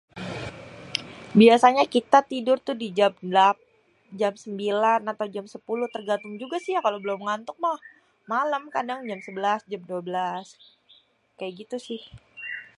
biasanyé kita tidur tuh di jam delapan, jam sembilan atau jam sepuluh, tergantung juga si ya belom ngantuk mah malêm kadang jam sèbèlas, jam dua bèlas kaya gitu sih.